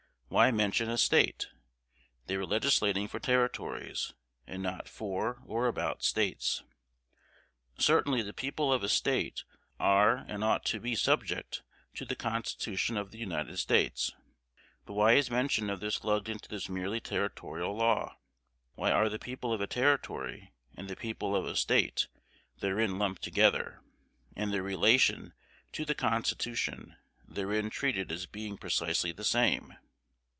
Why mention a State? They were legislating for Territories, and not for or about States. Certainly the people of a State are and ought to be subject to the Constitution of the United States; but why is mention of this lugged into this merely territorial law? Why are the people of a Territory and the people of a State therein lumped together, and their relation to the Constitution therein treated as being precisely the same?